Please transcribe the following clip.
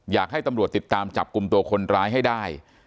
อยากให้ตำรวจติดตามจับกลุ่มตัวคนร้ายให้ได้